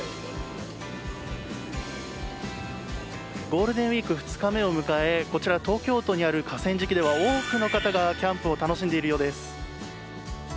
ゴールデンウィーク２日目を迎えこちら、東京都にある河川敷では多くの方がキャンプを楽しんでいるようです。